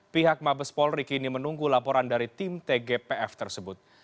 pihak mabes polri kini menunggu laporan dari tim tgpf tersebut